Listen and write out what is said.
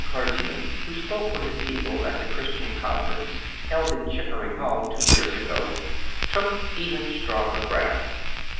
147 clergyman, who spoke for hie people at the Christian Con ference held in Chickering Hall two years ago, took even stronger ground.